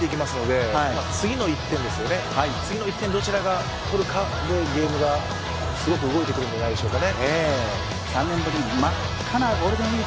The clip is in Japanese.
次の１点どちらがとるかでゲームがすごく動いてくるんじゃないでしょうか。